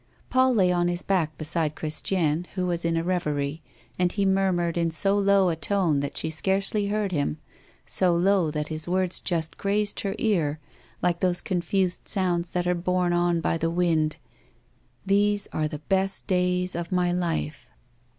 Paul lay on his back beside Christiane, who was in a reverie. And he murmured, in so low a tone that she scarcely heard him, so low that his words just grazed her ear, like those confused sounds that are borne on by the wind: "These are the best days of my life."